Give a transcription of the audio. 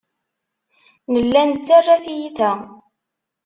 Nella nettarra tiyita.